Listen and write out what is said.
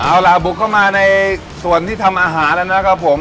อา้วหละบุคก็มาในส่วนที่ทำอาหารแล้วนะครับผม